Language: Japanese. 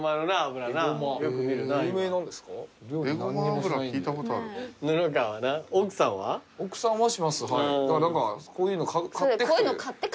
だから何かこういうの買って。